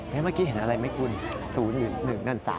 เมื่อกี้เห็นอะไรไหมคุณ๐๑๑นั่น๓